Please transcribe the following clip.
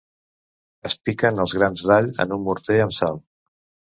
Es piquen els grans d’all en un morter amb sal.